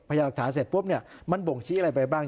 พยายามหลักฐานเสร็จปุ๊บเนี่ยมันบ่งชี้อะไรไปบ้าง